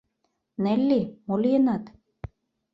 — Нелли, мо лийынат?